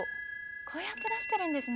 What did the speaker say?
こうやって出してるんですね。